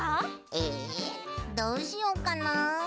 えどうしよっかな？